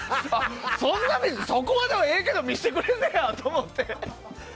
そこまではええけど見せてくれるんやと思って。